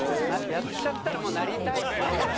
やっちゃったらもうなりたいって事だよね。